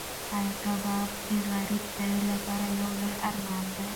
ایا کباب د غریب سړي لپاره یو لوی ارمان دی؟